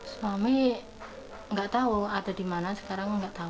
suami nggak tahu ada di mana sekarang nggak tahu